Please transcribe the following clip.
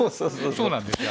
そうなんですよ。